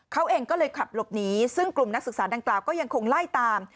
เขาเองก็เลยขับหลบหนีซึ่งกลุ่มนักศึกษาดังกล่าวก็ยังคงไล่ตาม